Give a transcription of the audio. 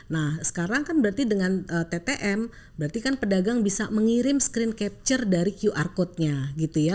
nah sekarang kan berarti dengan ttm berarti kan pedagang bisa mengirim screen capture dari qr code nya gitu ya